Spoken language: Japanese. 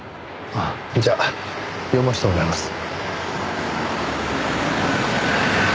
ああじゃあ読ませてもらいます。